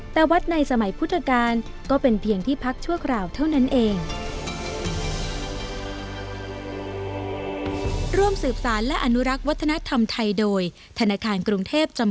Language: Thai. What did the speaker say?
แต่วัดในสมัยพุทธกาลก็เป็นเพียงที่พักชั่วคราวเท่านั้นเอง